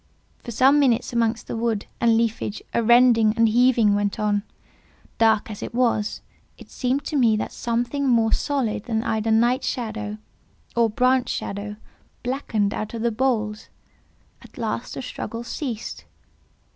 For some minutes amongst the wood and leafage a rending and heaving went on. Dark as it was, it seemed to me that something more solid than either night shadow, or branch shadow, blackened out of the boles. At last the struggle ceased.